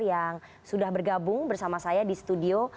yang sudah bergabung bersama saya di studio